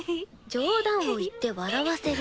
「冗談を言って笑わせる」。